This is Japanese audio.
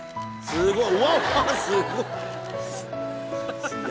すごい！